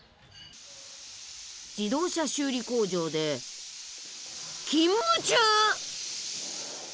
自動車修理工場で勤務中！